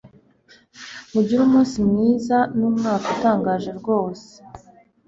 Mugire umunsi mwiza n'umwaka utangaje rwose